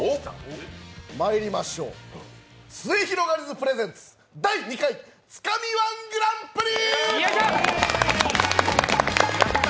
まいりましょう、すゑひろがりずプレゼンツ、第２回つかみ−１グランプリ！